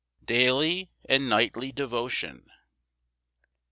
Daily and nightly devotion.